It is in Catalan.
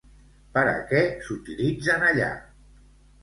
Per a què s'utilitzen allà?